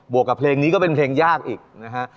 วกกับเพลงนี้ก็เป็นเพลงยากอีกนะฮะ